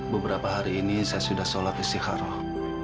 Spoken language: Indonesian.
beberapa hari ini saya sudah sholat istiqarah